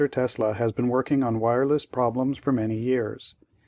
Tesla has been working on wireless problems for many years.